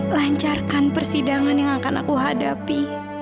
lancarkan persidangan yang akan aku hadapi